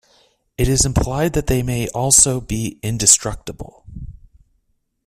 It is implied that they may also be indestructible.